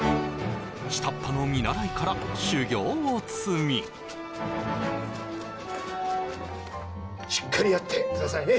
下っ端の見習いから修業を積みしっかりやってくださいね